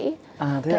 à thế ạ